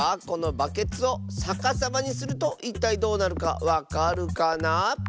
このバケツをさかさまにするといったいどうなるかわかるかな？